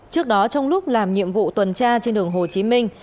trước đó trong lúc làm nhiệm vụ tuần tra trên đường hồ chí minh